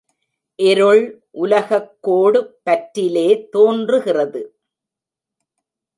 இருள் உலகக் கோடு பற்றிலே தோன்றுகிறது.